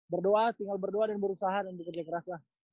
berdoa tinggal berdoa dan berusaha dan bekerja keras lah